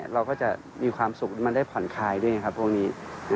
เราก็จะมีความสุขแล้วมันได้ผ่อนคลายด้วยไงครับพวกนี้